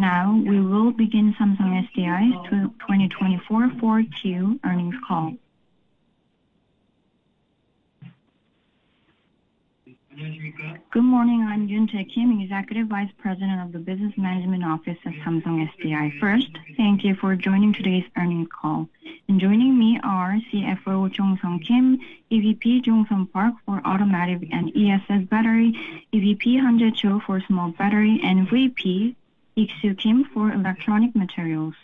Now we will begin Samsung SDI's 2024 Q4 earnings call. Good morning, I'm Yoontae Kim, Executive Vice President of the Business Management Office at Samsung SDI. First, thank you for joining today's earnings call. And joining me are CFO Jong-sung Kim, EVP Jong-sung Park for Automotive and ESS Battery, EVP Hanjae Cho for Small Battery, and VP Ik-soo Kim for Electronic Materials.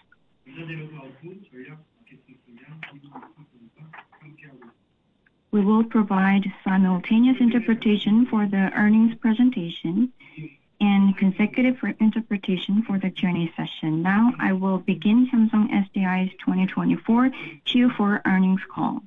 We will provide simultaneous interpretation for the earnings presentation and consecutive interpretation for the Q&A session. Now I will begin Samsung SDI's 2024 Q4 earnings call.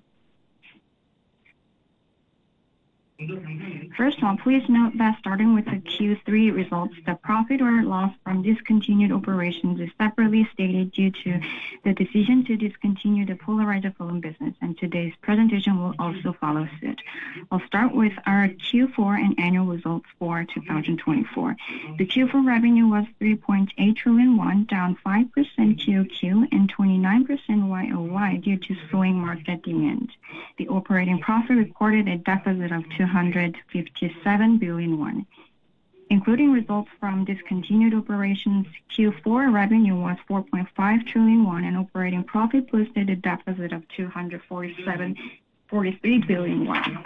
First of all, please note that starting with the Q3 results, the profit or loss from discontinued operations is separately stated due to the decision to discontinue the polarizer film business, and today's presentation will also follow suit. I'll start with our Q4 and annual results for 2024. The Q4 revenue was 3.8 trillion won, down 5% QQ and 29% YOY due to slowing market demand. The operating profit reported a deficit of 257 billion won. Including results from discontinued operations, Q4 revenue was 4.5 trillion won, and operating profit posted a deficit of 243 billion won.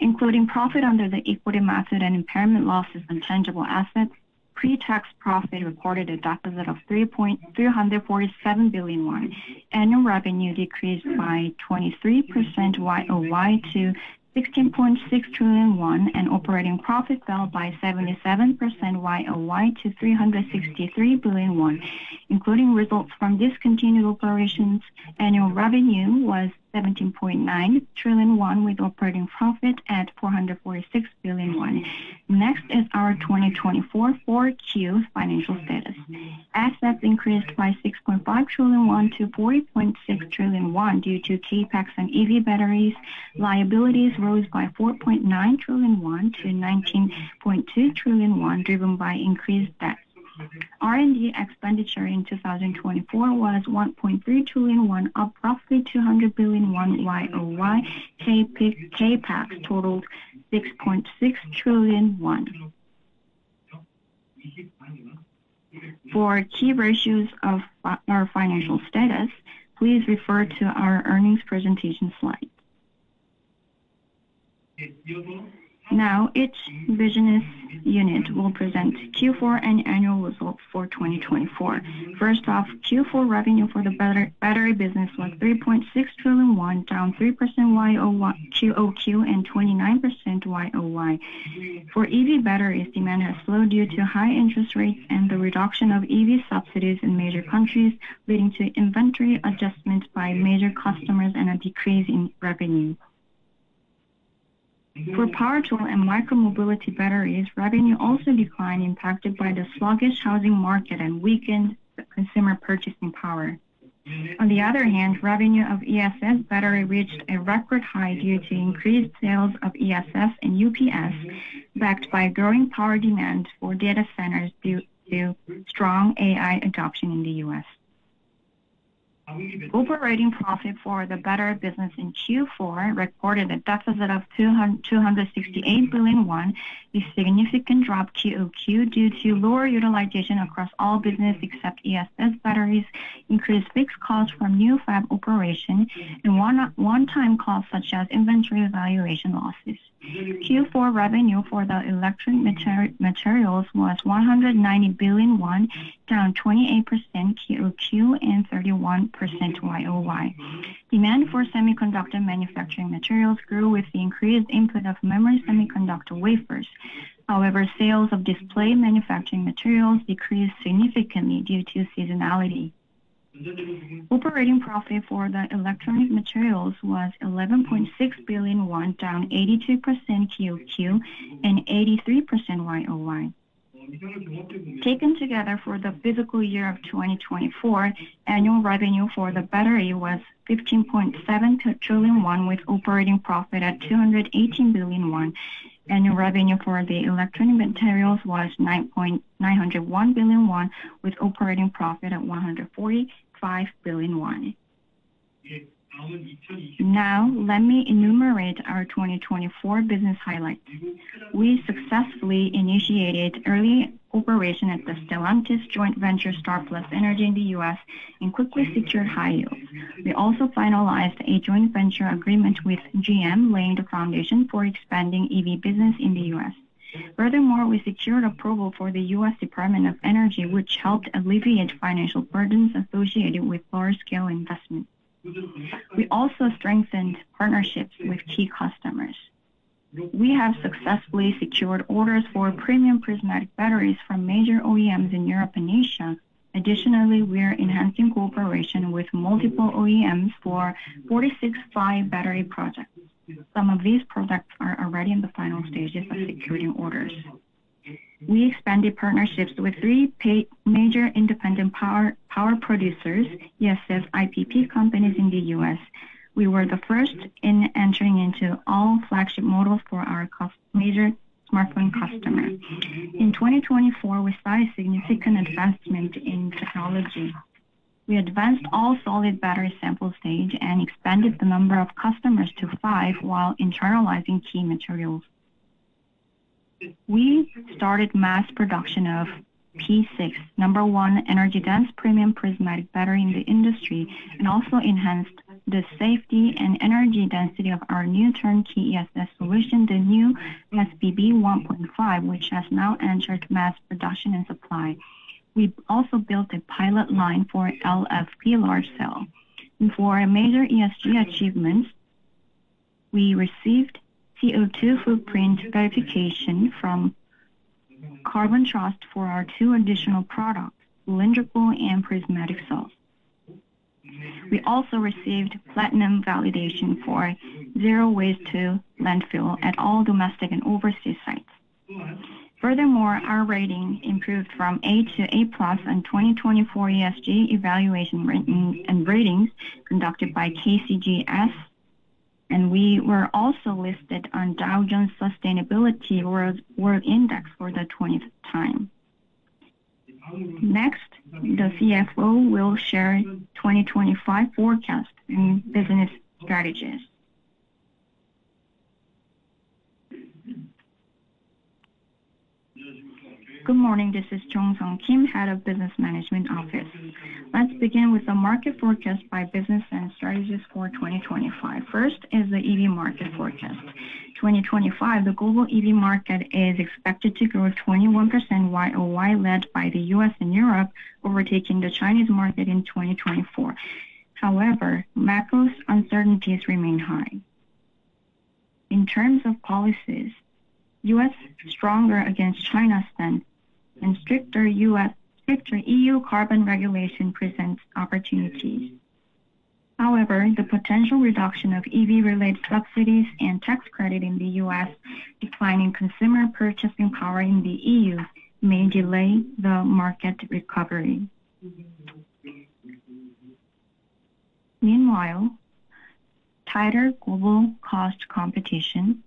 Including profit under the equity market and impairment losses on tangible assets, pre-tax profit reported a deficit of 347 billion won. Annual revenue decreased by 23% YOY to 16.6 trillion won, and operating profit fell by 77% YOY to 363 billion won. Including results from discontinued operations, annual revenue was 17.9 trillion won, with operating profit at 446 billion won. Next is our 2024-4Q financial status. Assets increased by 6.5 trillion won to 40.6 trillion won due to CAPEX and EV batteries. Liabilities rose by 4.9 trillion won to 19.2 trillion won, driven by increased debt. R&D expenditure in 2024 was 1.3 trillion won, up roughly 200 billion won YOY. CAPEX totaled 6.6 trillion won. For key ratios of our financial status, please refer to our earnings presentation slide. Now, each business unit will present Q4 and annual results for 2024. First off, Q4 revenue for the battery business was 3.6 trillion won, down 3% YOQ and 29% YOY. For EV batteries, demand has slowed due to high interest rates and the reduction of EV subsidies in major countries, leading to inventory adjustments by major customers and a decrease in revenue. For power tool and micromobility batteries, revenue also declined, impacted by the sluggish housing market and weakened consumer purchasing power. On the other hand, revenue of ESS battery reached a record high due to increased sales of ESS and UPS, backed by growing power demand for data centers due to strong AI adoption in the US. Operating profit for the battery business in Q4 reported a deficit of 268 billion won, a significant drop QOQ due to lower utilization across all businesses except ESS batteries, increased fixed costs from new fab operation, and one-time costs such as inventory evaluation losses. Q4 revenue for the electronic materials was 190 billion won, down 28% QOQ and 31% YOY. Demand for semiconductor manufacturing materials grew with the increased input of memory semiconductor wafers. However, sales of display manufacturing materials decreased significantly due to seasonality. Operating profit for the electronic materials was 11.6 billion won, down 82% QOQ and 83% YOY. Taken together for the fiscal year of 2024, annual revenue for the battery was 15.7 trillion won, with operating profit at 218 billion won. Annual revenue for the electronic materials was 901 billion won, with operating profit at 145 billion won. Now, let me enumerate our 2024 business highlights. We successfully initiated early operation at the Stellantis joint venture, StarPlus Energy in the U.S., and quickly secured high yields. We also finalized a joint venture agreement with GM, laying the foundation for expanding EV business in the U.S. Furthermore, we secured approval for the U.S. Department of Energy, which helped alleviate financial burdens associated with large-scale investments. We also strengthened partnerships with key customers. We have successfully secured orders for premium prismatic batteries from major OEMs in Europe and Asia. Additionally, we are enhancing cooperation with multiple OEMs for 46-phi battery projects. Some of these products are already in the final stages of securing orders. We expanded partnerships with three major independent power producers, ESS IPP companies in the U.S. We were the first in entering into all flagship models for our major smartphone customers. In 2024, we saw a significant advancement in technology. We advanced all-solid-state battery sample stage and expanded the number of customers to five while internalizing key materials. We started mass production of P6, number one energy-dense premium prismatic battery in the industry, and also enhanced the safety and energy density of our new turnkey ESS solution, the new SBB 1.5, which has now entered mass production and supply. We also built a pilot line for LFP large cell. For major ESG achievements, we received CO2 footprint verification from Carbon Trust for our two additional products, cylindrical and prismatic cells. We also received platinum validation for zero waste to landfill at all domestic and overseas sites. Furthermore, our rating improved from A to A plus on 2024 ESG evaluation ratings conducted by KCGS, and we were also listed on Dow Jones Sustainability World Index for the 20th time. Next, the CFO will share 2025 forecast and business strategies. Good morning, this is Jong-sung Kim, Head of Business Management Office. Let's begin with the market forecast by business and strategies for 2025. First is the EV market forecast. 2025, the global EV market is expected to grow 21% YOY, led by the U.S. and Europe, overtaking the Chinese market in 2024. However, macro uncertainties remain high. In terms of policies, U.S. stronger against China spend and stricter E.U. carbon regulation presents opportunities. However, the potential reduction of EV-related subsidies and tax credit in the U.S., declining consumer purchasing power in the EU may delay the market recovery. Meanwhile, tighter global cost competition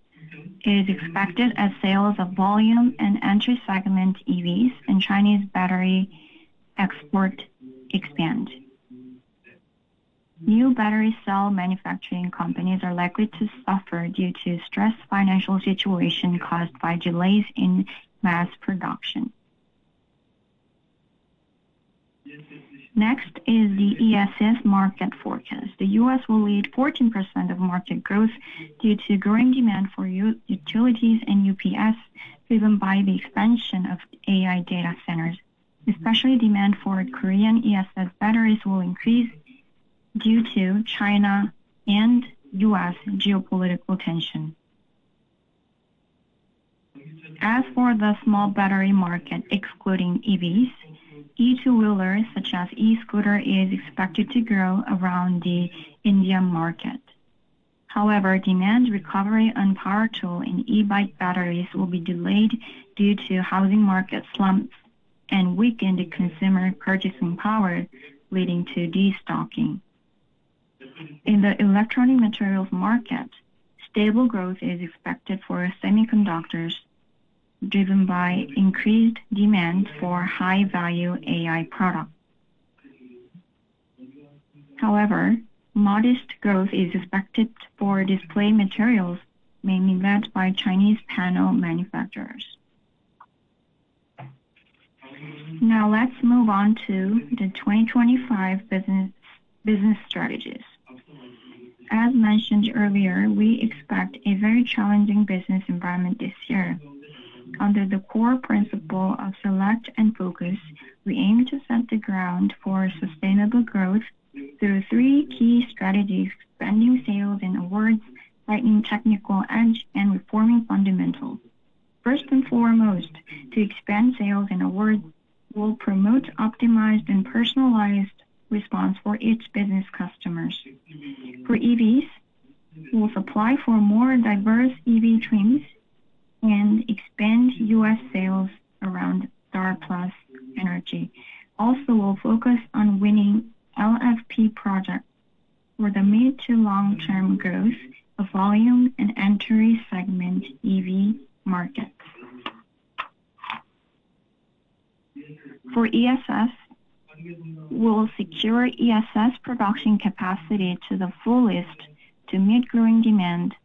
is expected as sales of volume and entry segment EVs and Chinese battery export expand. New battery cell manufacturing companies are likely to suffer due to stressed financial situation caused by delays in mass production. Next is the ESS market forecast. The U.S. will lead 14% of market growth due to growing demand for utilities and UPS, driven by the expansion of AI data centers. Especially, demand for Korean ESS batteries will increase due to China and U.S. geopolitical tension. As for the small battery market, excluding EVs, electric two-wheelers such as e-scooters are expected to grow around the Indian market. However, demand recovery on power tool and e-bike batteries will be delayed due to housing market slumps and weakened consumer purchasing power, leading to destocking. In the electronic materials market, stable growth is expected for semiconductors, driven by increased demand for high-value AI products. However, modest growth is expected for display materials, mainly led by Chinese panel manufacturers. Now, let's move on to the 2025 business strategies. As mentioned earlier, we expect a very challenging business environment this year. Under the core principle of select and focus, we aim to set the ground for sustainable growth through three key strategies: expanding sales and awards, tightening technical edge, and reforming fundamentals. First and foremost, to expand sales and awards, we'll promote optimized and personalized responses for each business customer. For EVs, we'll supply for more diverse EV trims and expand U.S. sales around Star Plus Energy. Also, we'll focus on winning LFP projects for the mid to long-term growth of volume and entry segment EV markets. For ESS, we'll secure ESS production capacity to the fullest to meet growing demand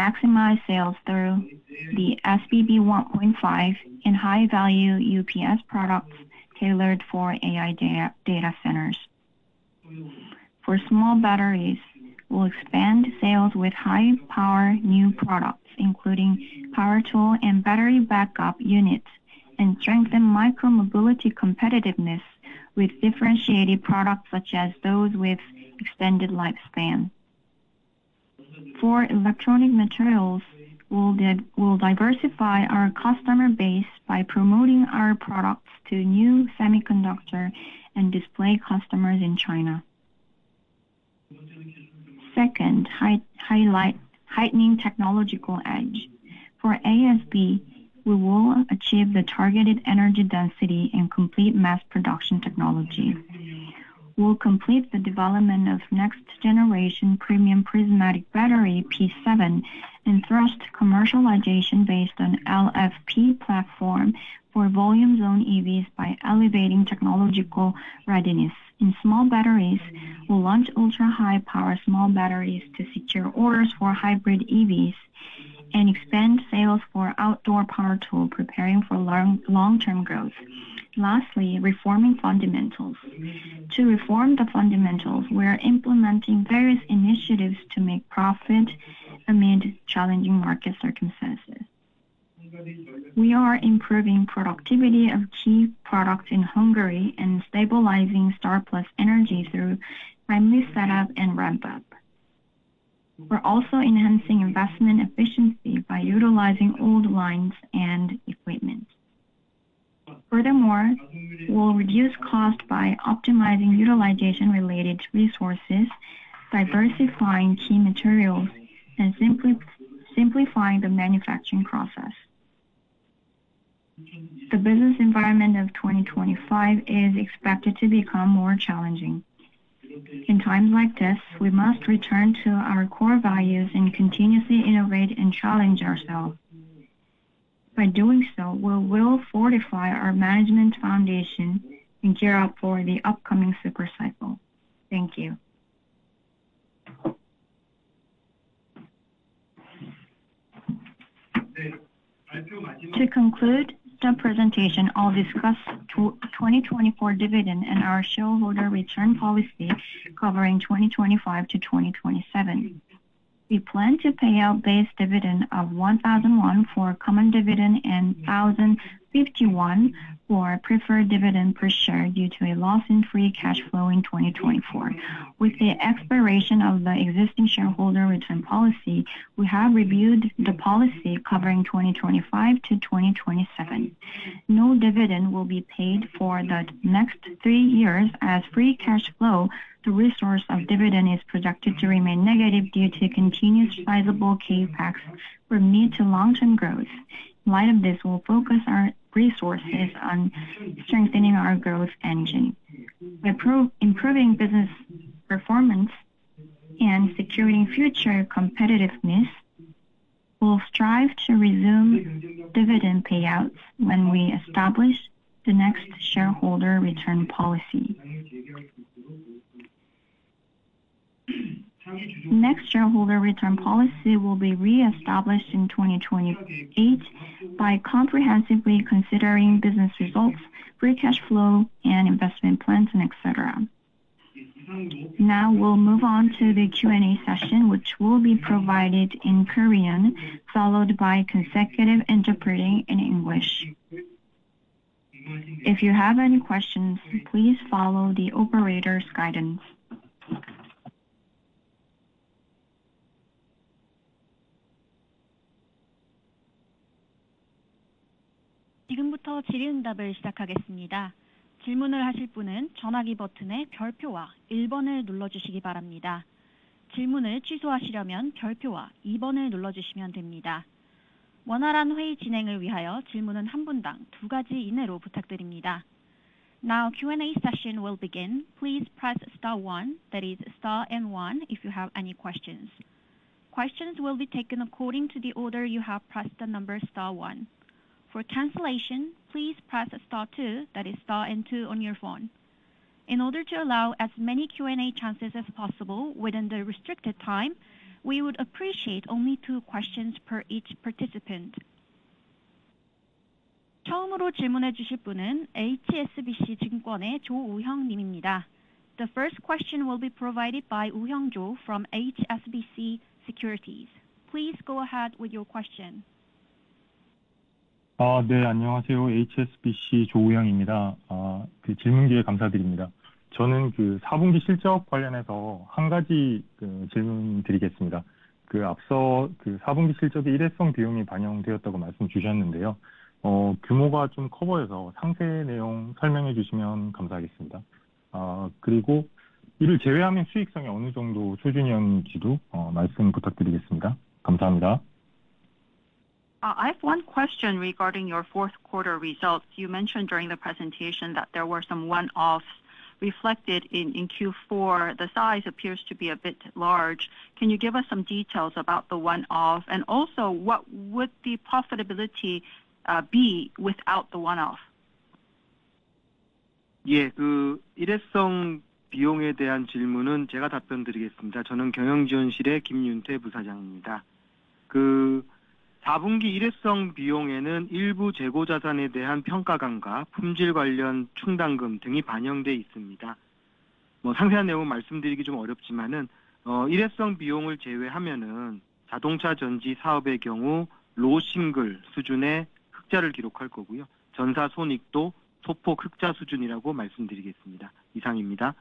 and maximize sales through the SBB 1.5 and high-value UPS products tailored for AI data centers. For small batteries, we'll expand sales with high-power new products, including power tool and battery backup units, and strengthen micromobility competitiveness with differentiated products such as those with extended lifespan. For electronic materials, we'll diversify our customer base by promoting our products to new semiconductor and display customers in China. Second, highlight heightening technological edge. For ASB, we will achieve the targeted energy density and complete mass production technology. We'll complete the development of next-generation premium prismatic battery P7 and thrust commercialization based on LFP platform for volume-zone EVs by elevating technological readiness. In small batteries, we'll launch ultra-high-power small batteries to secure orders for hybrid EVs and expand sales for outdoor power tool, preparing for long-term growth. Lastly, reforming fundamentals. To reform the fundamentals, we're implementing various initiatives to make profit amid challenging market circumstances. We are improving productivity of key products in Hungary and stabilizing Star Plus Energy through timely setup and ramp-up. We're also enhancing investment efficiency by utilizing old lines and equipment. Furthermore, we'll reduce costs by optimizing utilization-related resources, diversifying key materials, and simplifying the manufacturing process. The business environment of 2025 is expected to become more challenging. In times like this, we must return to our core values and continuously innovate and challenge ourselves. By doing so, we will fortify our management foundation and gear up for the upcoming super cycle. Thank you. To conclude the presentation, I'll discuss 2024 dividend and our shareholder return policy covering 2025 to 2027. We plan to pay out base dividend of 1,001 won for common dividend and 1,051 for preferred dividend per share due to a loss in free cash flow in 2024. With the expiration of the existing shareholder return policy, we have reviewed the policy covering 2025 to 2027. No dividend will be paid for the next three years as free cash flow. The resource of dividend is projected to remain negative due to continuous sizable CAPEX for mid- to long-term growth. In light of this, we'll focus our resources on strengthening our growth engine. By improving business performance and securing future competitiveness, we'll strive to resume dividend payouts when we establish the next shareholder return policy. Next shareholder return policy will be re-established in 2028 by comprehensively considering business results, free cash flow, and investment plans, etc. Now, we'll move on to the Q&A session, which will be provided in Korean, followed by consecutive interpreting in English. If you have any questions, please follow the operator's guidance. 지금부터 질의응답을 시작하겠습니다. 질문을 하실 분은 전화기 버튼의 별표와 1번을 눌러주시기 바랍니다. 질문을 취소하시려면 별표와 2번을 눌러주시면 됩니다. 원활한 회의 진행을 위하여 질문은 한 분당 두 가지 이내로 부탁드립니다. Now, Q&A session will begin. Please press Star 1, that is Star and 1, if you have any questions. Questions will be taken according to the order you have pressed the number Star 1. For cancellation, please press Star 2, that is Star and 2 on your phone. In order to allow as many Q&A chances as possible within the restricted time, we would appreciate only two questions per each participant. 처음으로 질문해 주실 분은 HSBC 증권의 조우형 님입니다. The first question will be provided by Woojung Jo from HSBC Securities. Please go ahead with your question . 네, 안녕하세요. HSBC 조우형입니다. 질문 기회 감사드립니다. 저는 4분기 실적 관련해서 한 가지 질문 드리겠습니다. 앞서 4분기 실적에 일회성 비용이 반영되었다고 말씀 주셨는데요. 규모가 좀커 보여서 상세 내용 설명해 주시면 감사하겠습니다. 그리고 이를 제외하면 수익성이 어느 정도 수준이었는지도 말씀 부탁드리겠습니다. 감사합니다. I have one question regarding your fourth quarter results. You mentioned during the presentation that there were some one-offs reflected in Q4. The size appears to be a bit large. Can you give us some details about the one-off? And also, what would the profitability be without the one-off? 일회성 비용에 대한 질문은 제가 답변 드리겠습니다.저는 경영지원실의 김윤태 부사장입니다. 4분기 일회성 비용에는 일부 재고 자산에 대한 평가 감가, 품질 관련 충당금 등이 반영돼 있습니다. 상세한 내용은 말씀드리기 좀 어렵지만, 일회성 비용을 제외하면 자동차 전지 사업의 경우 로싱글 수준의 흑자를 기록할 거고요. 전사 손익도 소폭 흑자 수준이라고 말씀드리겠습니다. 이상입니다.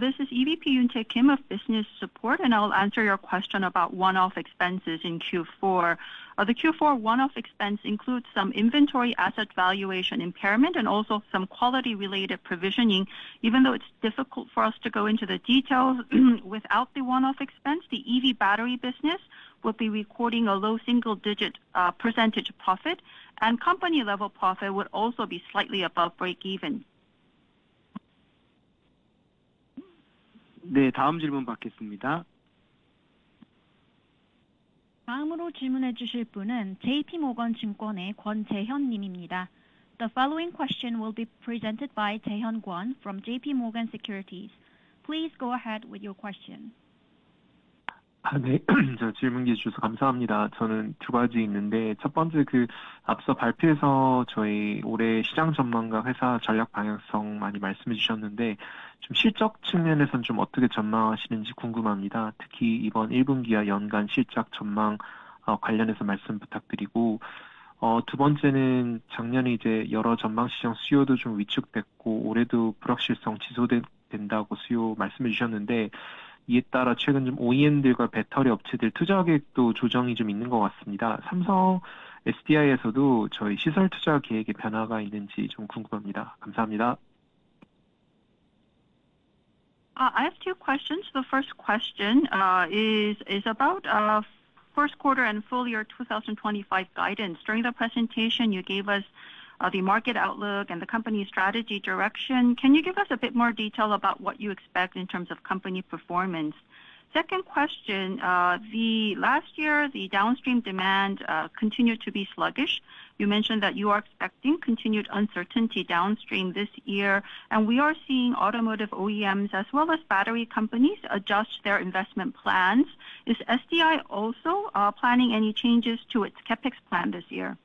This is EVP Yoontae Kim of Business Support, and I'll answer your question about one-off expenses in Q4. The Q4 one-off expense includes some inventory asset valuation impairment and also some quality-related provisioning. Even though it's difficult for us to go into the details, without the one-off expense, the EV battery business would be recording a low single-digit percentage profit, and company-level profit would also be slightly above break-even. 네, 다음 질문 받겠습니다. 다음으로 질문해 주실 분은 J.P. Morgan 증권의 권재현 님입니다. The following question will be presented by Jae-hyun Kwon from J.P. Morgan Securities. Please go ahead with your question. 네, 질문 기회 주셔서 감사합니다. 저는 두 가지 있는데, 첫 번째, 앞서 발표에서 저희 올해 시장 전망과 회사 전략 방향성 많이 말씀해 주셨는데, 실적 측면에서는 어떻게 전망하시는지 궁금합니다. 특히 이번 1분기와 연간 실적 전망 관련해서 말씀 부탁드리고, 두 번째는 작년에 여러 전방 시장 수요도 좀 위축됐고, 올해도 불확실성 지속된다고 수요 말씀해 주셨는데, 이에 따라 최근 OEM들과 배터리 업체들 투자 계획도 조정이 좀 있는 것 같습니다. 삼성 SDI에서도 저희 시설 투자 계획에 변화가 있는지 궁금합니다. 감사합니다. I have two questions. The first question is about first quarter and full year 2025 guidance. During the presentation, you gave us the market outlook and the company strategy direction. Can you give us a bit more detail about what you expect in terms of company performance? Second question, last year, the downstream demand continued to be sluggish. You mentioned that you are expecting continued uncertainty downstream this year, and we are seeing automotive OEMs as well as battery companies adjust their investment plans. Is SDI also planning any changes to its CapEx plan this year?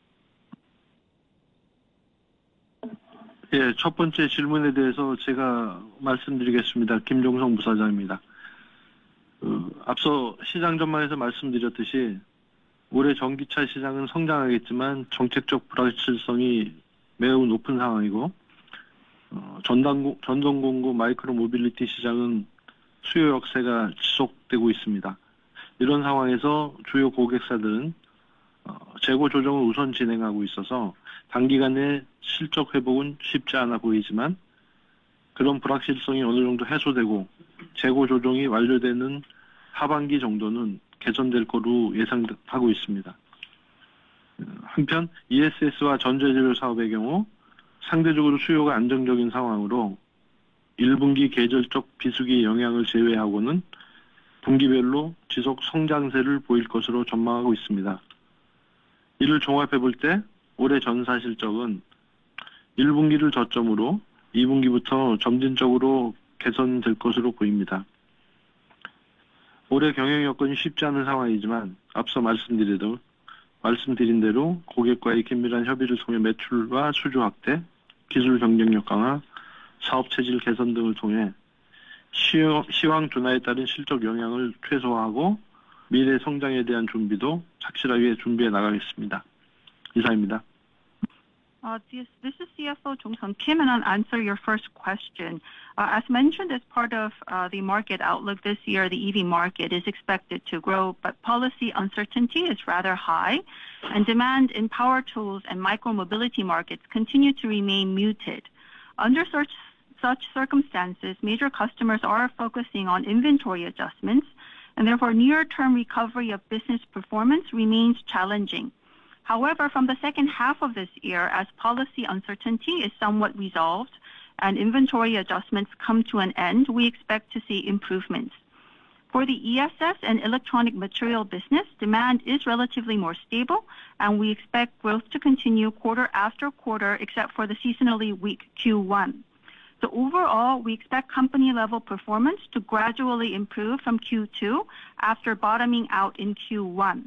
첫 번째 질문에 대해서 제가 말씀드리겠습니다. 김종성 부사장입니다. 앞서 시장 전망에서 말씀드렸듯이, 올해 전기차 시장은 성장하겠지만 정책적 불확실성이 매우 높은 상황이고, 전동 공구, 마이크로 모빌리티 시장은 수요 약세가 지속되고 있습니다. 이런 상황에서 주요 고객사들은 재고 조정을 우선 진행하고 있어서 단기간에 실적 회복은 쉽지 않아 보이지만, 그런 불확실성이 어느 정도 해소되고 재고 조정이 완료되는 하반기 정도는 개선될 거로 예상하고 있습니다. 한편, ESS와 전자 재료 사업의 경우 상대적으로 수요가 안정적인 상황으로, 1분기 계절적 비수기 영향을 제외하고는 분기별로 지속 성장세를 보일 것으로 전망하고 있습니다. 이를 종합해 볼 때, 올해 전사 실적은 1분기를 저점으로 2분기부터 점진적으로 개선될 것으로 보입니다. 올해 경영 여건이 쉽지 않은 상황이지만, 앞서 말씀드린 대로 고객과의 긴밀한 협의를 통해 매출과 수주 확대, 기술 경쟁력 강화, 사업 체질 개선 등을 통해 시황 변화에 따른 실적 영향을 최소화하고 미래 성장에 대한 준비도 확실하게 준비해 나가겠습니다. 이상입니다. This is CFO Jong-sung Kim, and I'll answer your first question. As mentioned as part of the market outlook this year, the EV market is expected to grow, but policy uncertainty is rather high, and demand in power tools and micromobility markets continue to remain muted. Under such circumstances, major customers are focusing on inventory adjustments, and therefore near-term recovery of business performance remains challenging. However, from the second half of this year, as policy uncertainty is somewhat resolved and inventory adjustments come to an end, we expect to see improvements. For the ESS and electronic material business, demand is relatively more stable, and we expect growth to continue quarter after quarter, except for the seasonally weak Q1. So overall, we expect company-level performance to gradually improve from Q2 after bottoming out in Q1.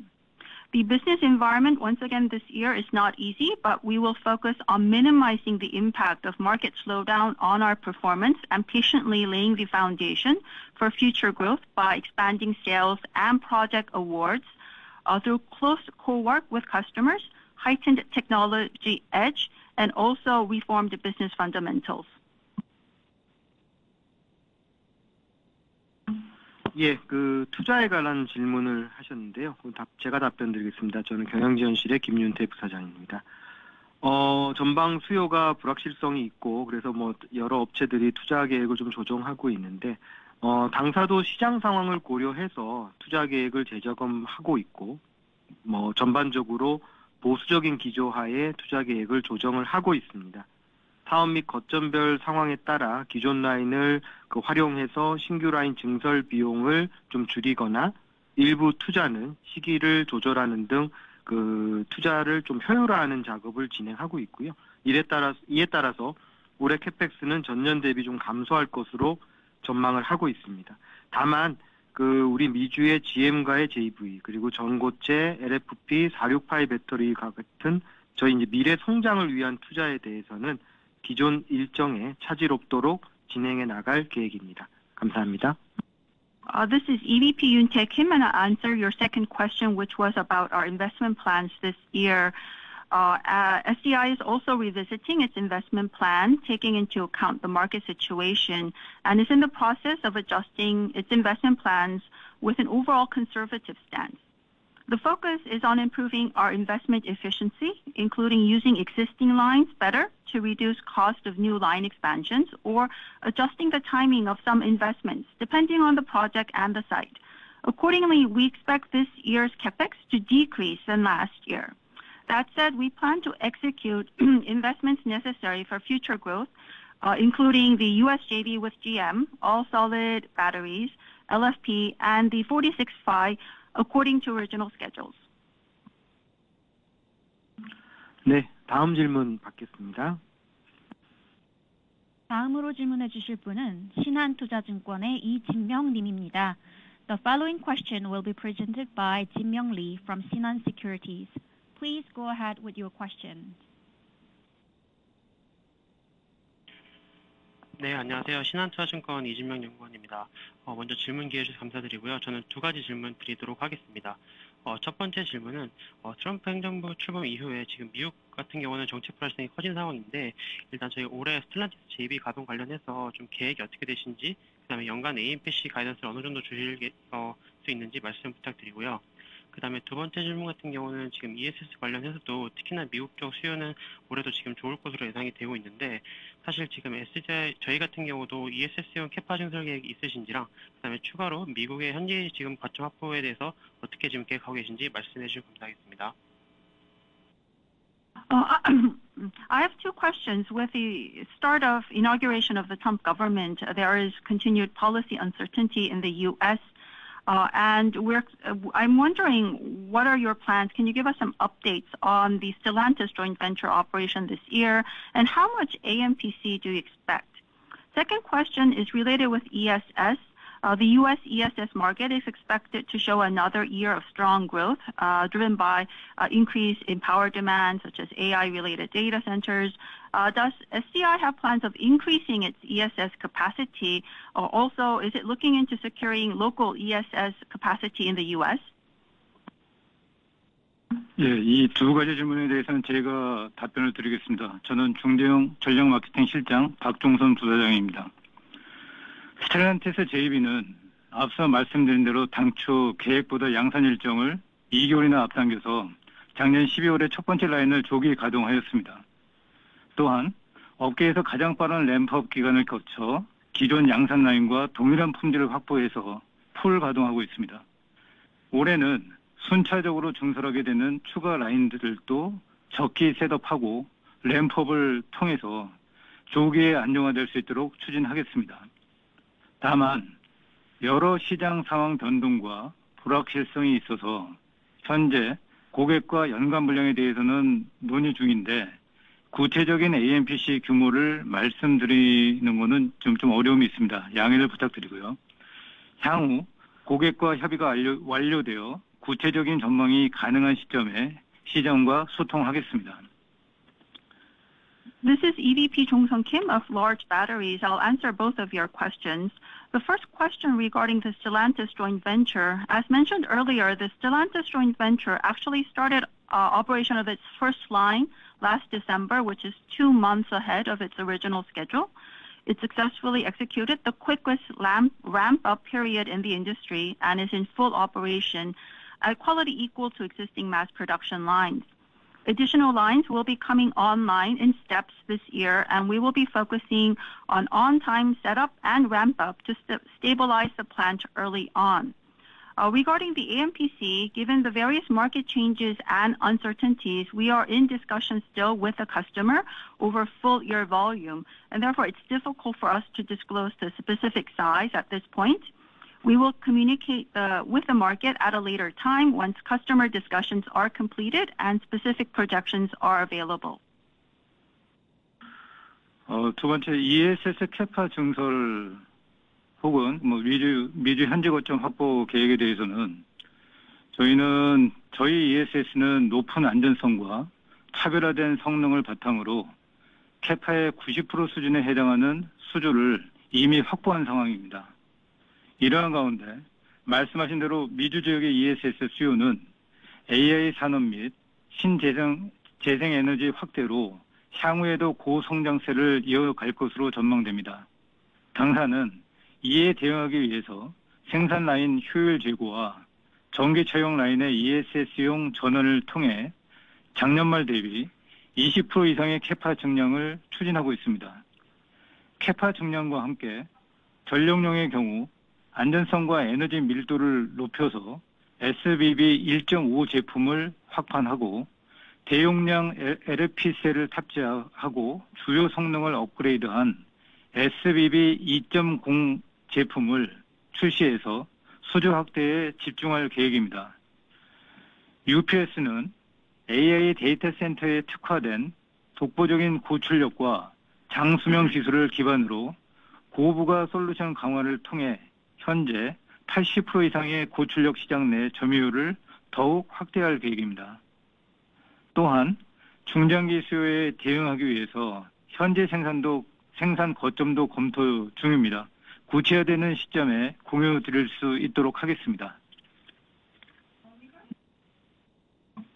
The business environment, once again this year, is not easy, but we will focus on minimizing the impact of market slowdown on our performance and patiently laying the foundation for future growth by expanding sales and project awards through close cooperation with customers, heightened technological edge, and also reformed business fundamentals. 예, 투자에 관한 질문을 하셨는데요. 제가 답변 드리겠습니다. 저는 경영지원실의 김윤태 부사장입니다. 전방 수요가 불확실성이 있고, 그래서 여러 업체들이 투자 계획을 좀 조정하고 있는데, 당사도 시장 상황을 고려해서 투자 계획을 재점검하고 있고, 전반적으로 보수적인 기조 하에 투자 계획을 조정을 하고 있습니다. 사업 및 거점별 상황에 따라 기존 라인을 활용해서 신규 라인 증설 비용을 좀 줄이거나 일부 투자는 시기를 조절하는 등 투자를 좀 효율화하는 작업을 진행하고 있고요. 이에 따라서 올해 CAPEX는 전년 대비 좀 감소할 것으로 전망을 하고 있습니다. 다만, 우리 미주의 GM과의 JV, 그리고 전고체 LFP 468 배터리와 같은 저희 미래 성장을 위한 투자에 대해서는 기존 일정에 차질 없도록 진행해 나갈 계획입니다. 감사합니다. This is EVP Yoontae Kim, and I'll answer your second question, which was about our investment plans this year. SDI is also revisiting its investment plan, taking into account the market situation, and is in the process of adjusting its investment plans with an overall conservative stance. The focus is on improving our investment efficiency, including using existing lines better to reduce the cost of new line expansions or adjusting the timing of some investments, depending on the project and the site. Accordingly, we expect this year's CapEx to decrease than last year. That said, we plan to execute investments necessary for future growth, including the US JV with GM, all solid batteries, LFP, and the 465, according to original schedules. 네, 다음 질문 받겠습니다. 다음으로 질문해 주실 분은 신한투자증권의 이진명 님입니다. The following question will be presented by Jin-myung Lee from Shinhan Securities. Please go ahead with your question . 네, 안녕하세요. 신한투자증권 이진명 연구원입니다. 먼저 질문 기회 주셔서 감사드리고요. 저는 두 가지 질문 드리도록 하겠습니다. 첫 번째 질문은 트럼프 행정부 출범 이후에 지금 미국 같은 경우는 정책 불확실성이 커진 상황인데, 일단 저희 올해 스텔란티스 JV 가동 관련해서 좀 계획이 어떻게 되신지, 그다음에 연간 AMPC 가이던스를 어느 정도 주실 수 있는지 말씀 부탁드리고요. 그다음에 두 번째 질문 같은 경우는 지금 ESS 관련해서도 특히나 미국 쪽 수요는 올해도 지금 좋을 것으로 예상이 되고 있는데, 사실 지금 저희 같은 경우도 ESS용 캐파 증설 계획이 있으신지랑, 그다음에 추가로 미국의 현재 지금 거점 확보에 대해서 어떻게 지금 계획하고 계신지 말씀해 주시면 감사하겠습니다. I have two questions. With the start of inauguration of the Trump government, there is continued policy uncertainty in the U.S., and I'm wondering what are your plans. Can you give us some updates on the Stellantis joint venture operation this year, and how much AMPC do you expect? Second question is related with ESS. The U.S. ESS market is expected to show another year of strong growth, driven by an increase in power demand, such as AI-related data centers. Does SDI have plans of increasing its ESS capacity, or also is it looking into securing local ESS capacity in the U.S.? 네, 이두 가지 질문에 대해서는 제가 답변을 드리겠습니다. 저는 중대형 전략 마케팅 실장 박종성 부사장입니다. 스텔란티스 JV는 앞서 말씀드린 대로 당초 계획보다 양산 일정을 2개월이나 앞당겨서 작년 12월에 첫 번째 라인을 조기 가동하였습니다. 또한 업계에서 가장 빠른 램프업 기간을 거쳐 기존 양산 라인과 동일한 품질을 확보해서 풀 가동하고 있습니다. 올해는 순차적으로 증설하게 되는 추가 라인들도 적기 셋업하고 램프업을 통해서 조기에 안정화될 수 있도록 추진하겠습니다. 다만 여러 시장 상황 변동과 불확실성이 있어서 현재 고객과 연간 분량에 대해서는 논의 중인데, 구체적인 AMPC 규모를 말씀드리는 거는 좀 어려움이 있습니다. 양해를 부탁드리고요. 향후 고객과 협의가 완료되어 구체적인 전망이 가능한 시점에 시장과 소통하겠습니다. This is EVP Jong-sung Park of Automotive and ESS Battery. I'll answer both of your questions. The first question regarding the Stellantis joint venture. As mentioned earlier, the Stellantis joint venture actually started operation of its first line last December, which is two months ahead of its original schedule. It successfully executed the quickest ramp-up period in the industry and is in full operation at quality equal to existing mass production lines. Additional lines will be coming online in steps this year, and we will be focusing on on-time setup and ramp-up to stabilize the plant early on. Regarding the AMPC, given the various market changes and uncertainties, we are in discussion still with the customer over full year volume, and therefore it's difficult for us to disclose the specific size at this point. We will communicate with the market at a later time once customer discussions are completed and specific projections are available. 두 번째, ESS 캐파 증설 혹은 미주 현지 거점 확보 계획에 대해서는 저희 ESS는 높은 안전성과 차별화된 성능을 바탕으로 캐파의 90% 수준에 해당하는 수주를 이미 확보한 상황입니다. 이러한 가운데 말씀하신 대로 미주 지역의 ESS 수요는 AI 산업 및 신재생 에너지 확대로 향후에도 고성장세를 이어갈 것으로 전망됩니다. 당사는 이에 대응하기 위해서 생산 라인 효율 제고와 전기차용 라인의 ESS용 전원을 통해 작년 말 대비 20% 이상의 캐파 증량을 추진하고 있습니다. 캐파 증량과 함께 전력용의 경우 안전성과 에너지 밀도를 높여서 SBB 1.5 제품을 확판하고 대용량 LFP 셀을 탑재하고 주요 성능을 업그레이드한 SBB 2.0 제품을 출시해서 수주 확대에 집중할 계획입니다. UPS는 AI 데이터 센터에 특화된 독보적인 고출력과 장수명 기술을 기반으로 고부가 솔루션 강화를 통해 현재 80% 이상의 고출력 시장 내 점유율을 더욱 확대할 계획입니다. 또한 중장기 수요에 대응하기 위해서 현재 생산 거점도 검토 중입니다. 구체화되는 시점에 공유드릴 수 있도록 하겠습니다.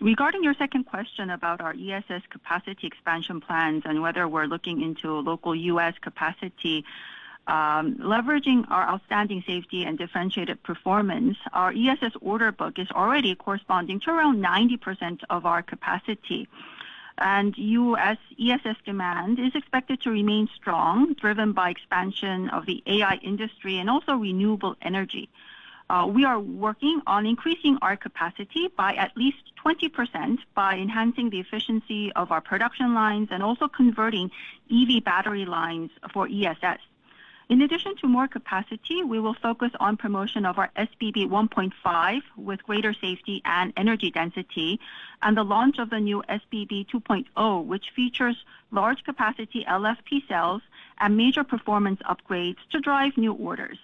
Regarding your second question about our ESS capacity expansion plans and whether we're looking into local U.S. capacity, leveraging our outstanding safety and differentiated performance, our ESS order book is already corresponding to around 90% of our capacity, and U.S. ESS demand is expected to remain strong, driven by expansion of the AI industry and also renewable energy. We are working on increasing our capacity by at least 20% by enhancing the efficiency of our production lines and also converting EV battery lines for ESS. In addition to more capacity, we will focus on promotion of our SBB 1.5 with greater safety and energy density and the launch of the new SBB 2.0, which features large capacity LFP cells and major performance upgrades to drive new orders.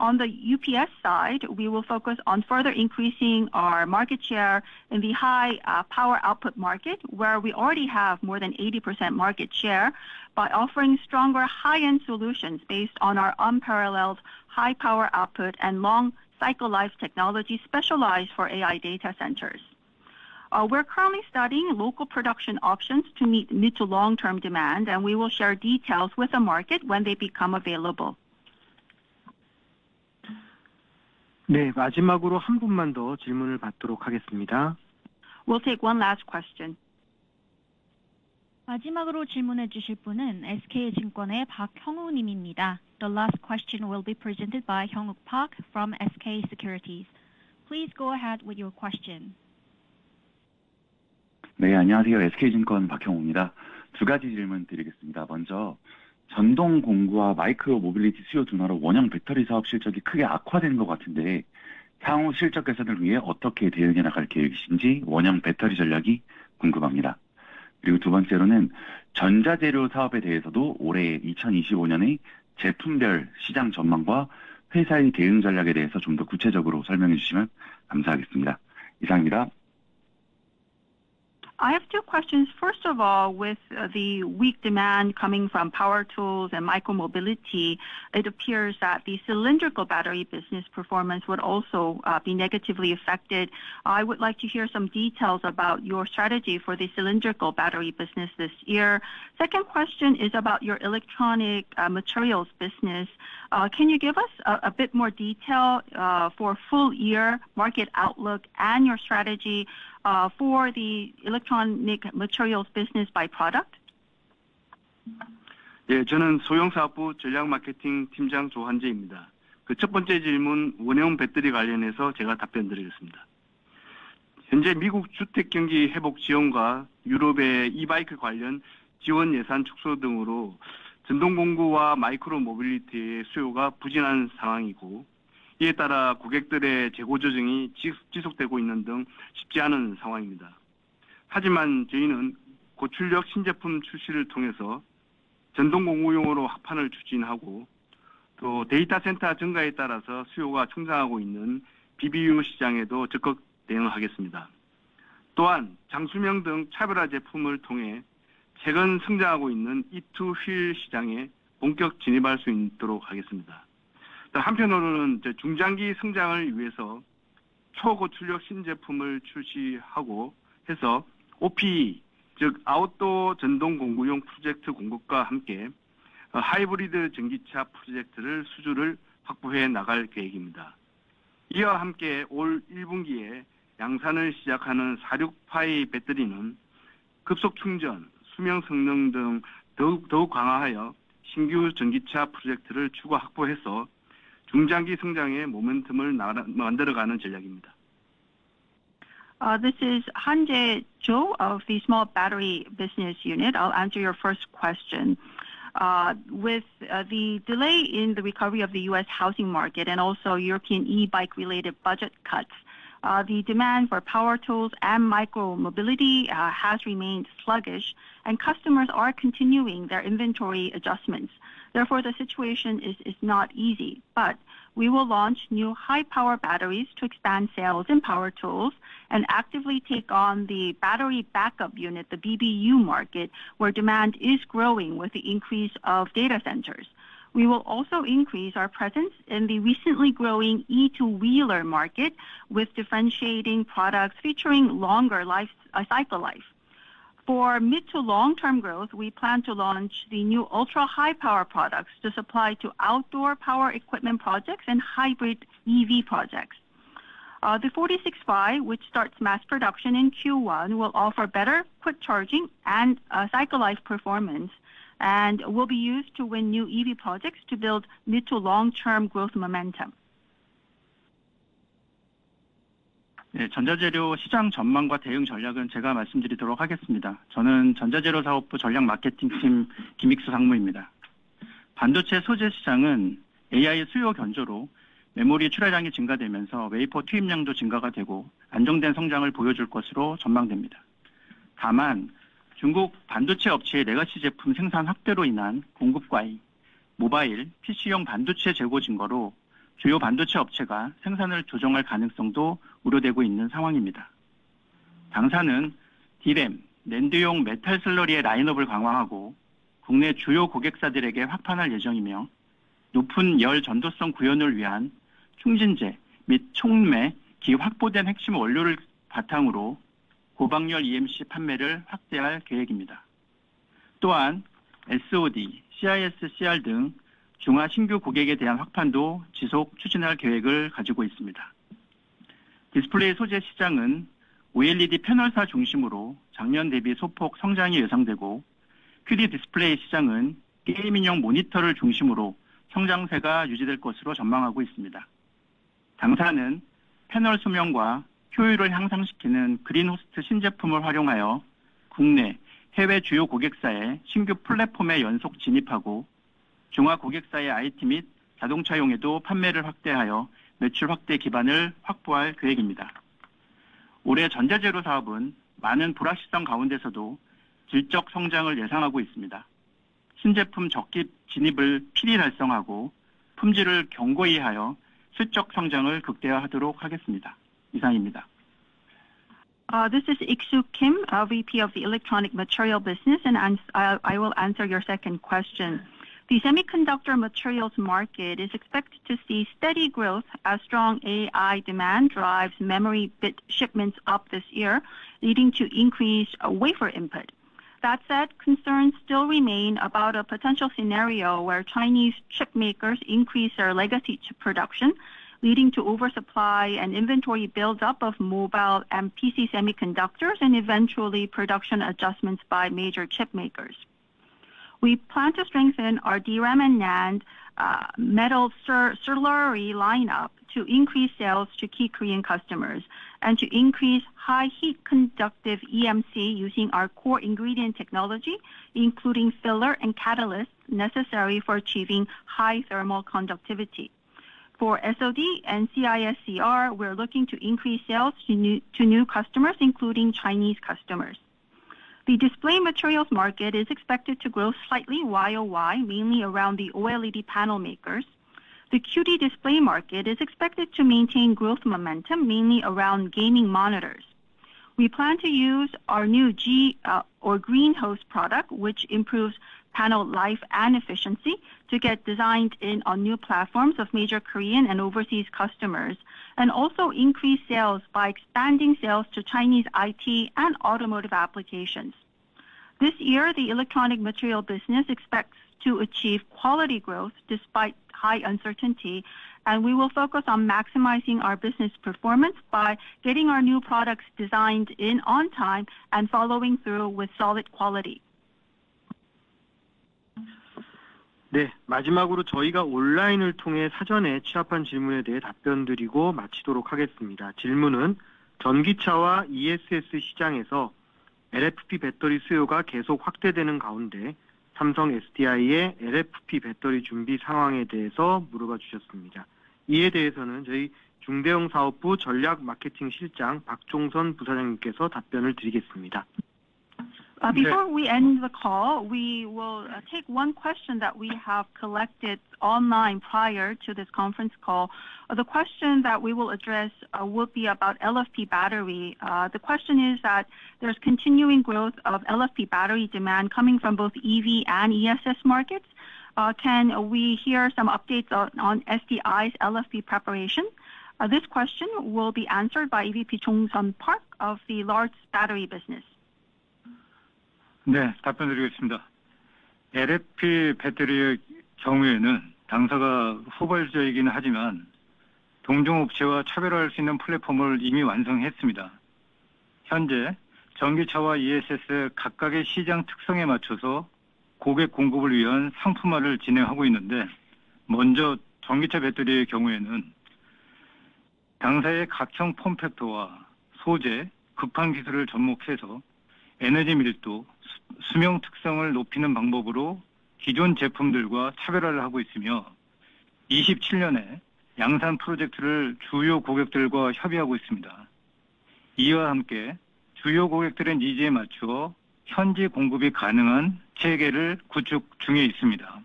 On the UPS side, we will focus on further increasing our market share in the high power output market, where we already have more than 80% market share, by offering stronger high-end solutions based on our unparalleled high power output and long cycle life technology specialized for AI data centers. We're currently studying local production options to meet mid to long-term demand, and we will share details with the market when they become available. 네, 마지막으로 한 분만 더 질문을 받도록 하겠습니다. We'll take one last question. 마지막으로 질문해 주실 분은 SK증권의 박형우 님입니다. The last question will be presented by Hyung-woo Park from SK Securities. Please go ahead with your question. 네, 안녕하세요. SK증권 박형우입니다. 두 가지 질문 드리겠습니다. 먼저 전동 공구와 마이크로 모빌리티 수요 둔화로 원형 배터리 사업 실적이 크게 악화된 것 같은데, 향후 실적 개선을 위해 어떻게 대응해 나갈 계획이신지 원형 배터리 전략이 궁금합니다. 그리고 두 번째로는 전자 재료 사업에 대해서도 올해 2025년의 제품별 시장 전망과 회사의 대응 전략에 대해서 좀더 구체적으로 설명해 주시면 감사하겠습니다. 이상입니다 . I have two questions. First of all, with the weak demand coming from power tools and micro mobility, it appears that the cylindrical battery business performance would also be negatively affected. I would like to hear some details about your strategy for the cylindrical battery business this year. Second question is about your electronic materials business. Can you give us a bit more detail for full year market outlook and your strategy for the electronic materials business by product? 저는 소형 사업부 전략 마케팅 팀장 조한재입니다. 첫 번째 질문, 원형 배터리 관련해서 제가 답변 드리겠습니다. 현재 미국 주택 경기 회복 지원과 유럽의 e-bike 관련 지원 예산 축소 등으로 전동 공구와 마이크로 모빌리티의 수요가 부진한 상황이고, 이에 따라 고객들의 재고 조정이 지속되고 있는 등 쉽지 않은 상황입니다. 하지만 저희는 고출력 신제품 출시를 통해서 전동 공구용으로 확판을 추진하고, 또 데이터 센터 증가에 따라서 수요가 성장하고 있는 BBU 시장에도 적극 대응하겠습니다. 또한 장수명 등 차별화 제품을 통해 최근 성장하고 있는 E2 휠 시장에 본격 진입할 수 있도록 하겠습니다. 한편으로는 중장기 성장을 위해서 초고출력 신제품을 출시하고 해서 OPE, 즉 아웃도어 전동 공구용 프로젝트 공급과 함께 하이브리드 전기차 프로젝트를 수주를 확보해 나갈 계획입니다. 이와 함께 올 1분기에 양산을 시작하는 468 배터리는 급속 충전, 수명 성능 등 더욱 강화하여 신규 전기차 프로젝트를 추가 확보해서 중장기 성장의 모멘텀을 만들어가는 전략입니다. This is Hanjae Cho of the Small Battery Business Unit. I'll answer your first question. With the delay in the recovery of the U.S. housing market and also European e-bike-related budget cuts, the demand for power tools and micro mobility has remained sluggish, and customers are continuing their inventory adjustments. Therefore, the situation is not easy, but we will launch new high power batteries to expand sales in power tools and actively take on the battery backup unit, the BBU market, where demand is growing with the increase of data centers. We will also increase our presence in the recently growing E2 wheeler market with differentiating products featuring longer cycle life. For mid to long-term growth, we plan to launch the new ultra high power products to supply outdoor power equipment projects and hybrid EV projects. The 46-series, which starts mass production in Q1, will offer better quick charging and cycle life performance and will be used to win new EV projects to build mid to long-term growth momentum. I will explain the outlook for the electronic materials market and our response strategy. I am Kim Ik-soo, Vice President of the Electronic Materials Business at Samsung SDI. 반도체 소재 시장은 AI 수요 견조로 메모리 출하량이 증가하면서 웨이퍼 투입량도 증가가 되고 안정된 성장을 보여줄 것으로 전망됩니다. 다만 중국 반도체 업체의 레가시 제품 생산 확대로 인한 공급 과잉, 모바일 PC용 반도체 재고 증가로 주요 반도체 업체가 생산을 조정할 가능성도 우려되고 있는 상황입니다. 당사는 D램, 낸드용 메탈 슬러리의 라인업을 강화하고 국내 주요 고객사들에게 확판할 예정이며, 높은 열 전도성 구현을 위한 충진재 및 촉매, 기 확보된 핵심 원료를 바탕으로 고박열 EMC 판매를 확대할 계획입니다. 또한 SOD, CISCR 등 중화 신규 고객에 대한 확판도 지속 추진할 계획을 가지고 있습니다. 디스플레이 소재 시장은 OLED 패널사 중심으로 작년 대비 소폭 성장이 예상되고, QD 디스플레이 시장은 게이밍용 모니터를 중심으로 성장 세가 유지될 것으로 전망하고 있습니다. 당사는 패널 수명과 효율을 향상시키는 그린호스트 신제품을 활용하여 국내, 해외 주요 고객사의 신규 플랫폼에 연속 진입하고, 중화 고객사의 IT 및 자동차용에도 판매를 확대하여 매출 확대 기반을 확보할 계획입니다. 올해 전자 재료 사업은 많은 불확실성 가운데서도 질적 성장을 예상하고 있습니다. 신제품 적기 진입을 필히 달성하고 품질을 견고히 하여 실적 성장을 극대화하도록 하겠습니다. 이상입니다. This is Ik-soo Kim, VP of the Electronic Materials Business, and I will answer your second question. The semiconductor materials market is expected to see steady growth as strong AI demand drives memory bit shipments up this year, leading to increased wafer input. That said, concerns still remain about a potential scenario where Chinese chip makers increase their legacy production, leading to oversupply and inventory build-up of mobile and PC semiconductors, and eventually production adjustments by major chip makers. We plan to strengthen our DRAM and NAND metal slurry lineup to increase sales to key Korean customers and to increase high heat conductive EMC using our core ingredient technology, including filler and catalysts necessary for achieving high thermal conductivity. For SOD and CISCR, we're looking to increase sales to new customers, including Chinese customers. The display materials market is expected to grow slightly YOY, mainly around the OLED panel makers. The QD display market is expected to maintain growth momentum, mainly around gaming monitors. We plan to use our new G or Green Host product, which improves panel life and efficiency, to get designed on new platforms of major Korean and overseas customers, and also increase sales by expanding sales to Chinese IT and automotive applications. This year, the electronic materials business expects to achieve quality growth despite high uncertainty, and we will focus on maximizing our business performance by getting our new products designed in on time and following through with solid quality. 네, 마지막으로 저희가 온라인을 통해 사전에 취합한 질문에 대해 답변 드리고 마치도록 하겠습니다. 질문은 전기차와 ESS 시장에서 LFP 배터리 수요가 계속 확대되는 가운데 삼성 SDI의 LFP 배터리 준비 상황에 대해서 물어봐 주셨습니다. 이에 대해서는 저희 중대형 사업부 전략 마케팅 실장 박종성 부사장님께서 답변을 드리겠습니다 . Before we end the call, we will take one question that we have collected online prior to this conference call. The question that we will address will be about LFP battery. The question is that there's continuing growth of LFP battery demand coming from both EV and ESS markets. Can we hear some updates on SDI's LFP preparation? This question will be answered by VP Jong-sung Park of the Large Battery Business . 네, 답변 드리겠습니다. LFP 배터리의 경우에는 당사가 후발주자이긴 하지만 동종 업체와 차별화할 수 있는 플랫폼을 이미 완성했습니다. 현재 전기차와 ESS의 각각의 시장 특성에 맞춰서 고객 공급을 위한 상품화를 진행하고 있는데, 먼저 전기차 배터리의 경우에는 당사의 각형 폼팩터와 소재, 급한 기술을 접목해서 에너지 밀도, 수명 특성을 높이는 방법으로 기존 제품들과 차별화를 하고 있으며, 27년에 양산 프로젝트를 주요 고객들과 협의하고 있습니다. 이와 함께 주요 고객들의 니즈에 맞추어 현지 공급이 가능한 체계를 구축 중에 있습니다.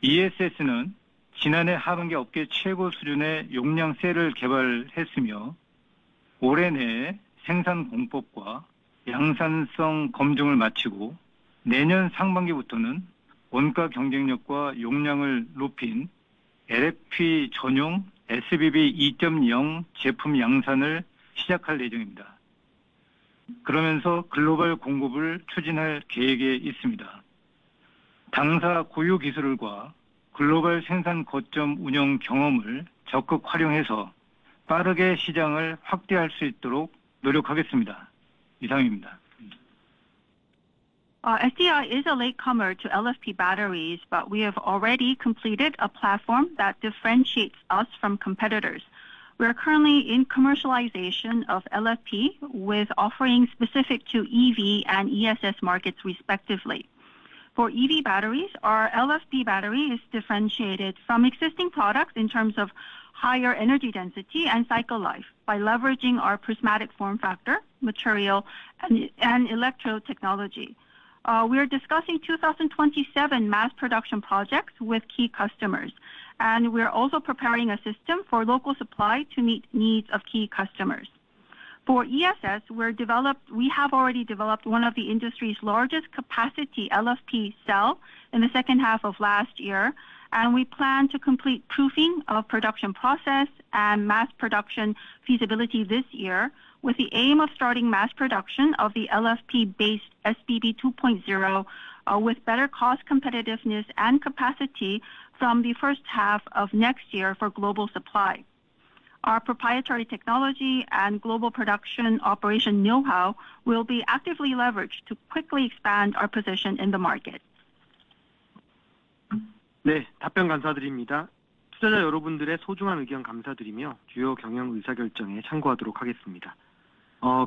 ESS는 지난해 하반기 업계 최고 수준의 용량 셀을 개발했으며, 올해 내에 생산 공법과 양산성 검증을 마치고 내년 상반기부터는 원가 경쟁력과 용량을 높인 LFP 전용 SBB 2.0 제품 양산을 시작할 예정입니다. 그러면서 글로벌 공급을 추진할 계획에 있습니다. 당사 고유 기술과 글로벌 생산 거점 운영 경험을 적극 활용해서 빠르게 시장을 확대할 수 있도록 노력하겠습니다. 이상입니다. SDI is a latecomer to LFP batteries, but we have already completed a platform that differentiates us from competitors. We are currently in commercialization of LFP with offerings specific to EV and ESS markets, respectively. For EV batteries, our LFP battery is differentiated from existing products in terms of higher energy density and cycle life by leveraging our prismatic form factor, material, and electro technology. We are discussing 2027 mass production projects with key customers, and we are also preparing a system for local supply to meet needs of key customers. For ESS, we have already developed one of the industry's largest capacity LFP cells in the second half of last year, and we plan to complete proofing of production process and mass production feasibility this year with the aim of starting mass production of the LFP-based SBB 2.0 with better cost competitiveness and capacity from the first half of next year for global supply. Our proprietary technology and global production operation know-how will be actively leveraged to quickly expand our position in the market. 네, 답변 감사드립니다. 투자자 여러분들의 소중한 의견 감사드리며 주요 경영 의사 결정에 참고하도록 하겠습니다.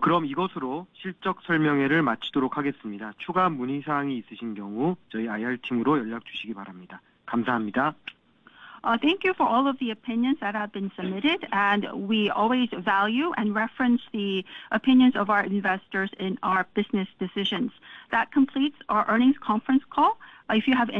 그럼 이것으로 실적 설명회를 마치도록 하겠습니다. 추가 문의 사항이 있으신 경우 저희 IR 팀으로 연락 주시기 바랍니다. 감사합니다. Thank you for all of the opinions that have been submitted, and we always value and reference the opinions of our investors in our business decisions. That completes our earnings conference call. If you have any.